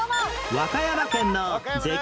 和歌山県の絶景問題